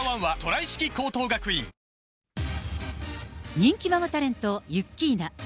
人気ママタレント、ユッキーナ。